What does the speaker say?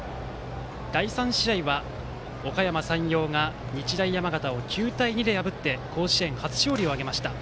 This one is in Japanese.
第３試合は、おかやま山陽が日大山形を９対２で破って甲子園初勝利を挙げました。